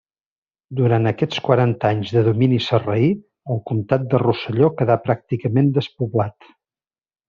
Durant aquests quaranta anys de domini sarraí, el comtat de Rosselló quedà pràcticament despoblat.